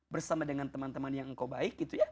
bersama dengan teman teman yang baik